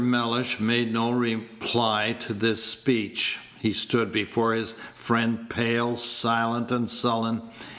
Mellish made no reply to this speech. He stood before his friend pale, silent, and sullen.